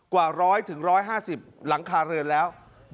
กว่าร้อยถึงร้อยห้าสิบหลังคาเรือนแล้ว